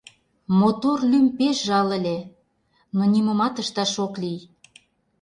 Мотор лӱм пеш жал ыле, но нимомат ышташ ок лий.